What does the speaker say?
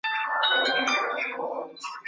anapojihusisha na mihadarati au pombe akili na mwili